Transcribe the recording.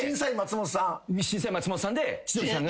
審査員松本さんで千鳥さんが。